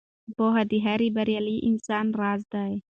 پوهه د هر بریالي انسان راز دی.